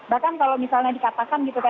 bahkan kalau misalnya dikatakan gitu kan